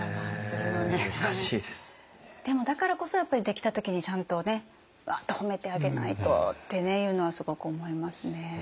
でもだからこそやっぱりできた時にちゃんとねわっと褒めてあげないとっていうのはすごく思いますね。